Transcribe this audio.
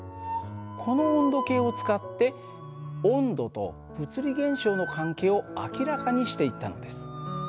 この温度計を使って温度と物理現象の関係を明らかにしていったのです。